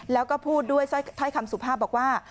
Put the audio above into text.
แล้วก็พูดด้วยถ้อยคำสุภาพบอกว่า